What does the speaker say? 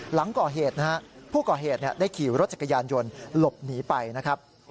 หลังก่อเหตุนะฮะผู้ก่อเหตุได้ขี่รถจักรยานยนต์หลบหนีไปนะครับ